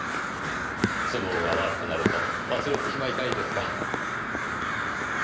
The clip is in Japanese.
都合が悪くなると忘れてしまいたいですか。